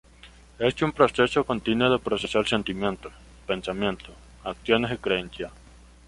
Es un proceso continuo de procesar sentimientos, pensamientos, acciones y creencias.